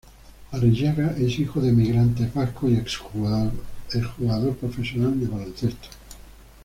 Arrillaga es hijo de emigrantes vascos y ex-jugador profesional de baloncesto.